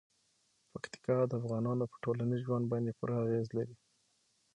پکتیکا د افغانانو په ټولنیز ژوند باندې پوره اغېز لري.